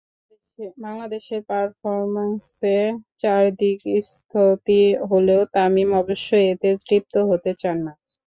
বাংলাদেশের পারফরম্যান্সে চারদিকে স্তুতি হলেও তামিম অবশ্য এতে তৃপ্ত হতে চান না।